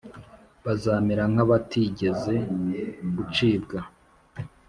bazamera nk abatigeze gucibwa